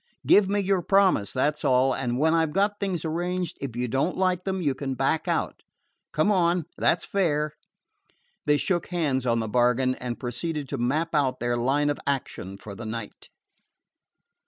Give me your promise, that 's all, and when I 've got things arranged, if you don't like them you can back out. Come on; that 's fair." They shook hands on the bargain, and proceeded to map out their line of action for the night.